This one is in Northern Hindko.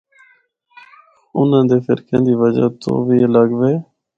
انہاں دے فرقاں دی وجہ توں وی الگ وے۔